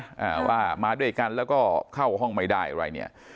อ่าว่ามาด้วยกันแล้วก็เข้าห้องไม่ได้อะไรเนี่ย